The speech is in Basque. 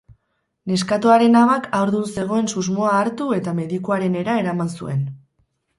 Neskatoaren amak haurdun zegoen susmoa hartu eta medikuarenera eraman zuen.